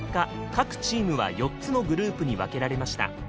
各チームは４つのグループに分けられました。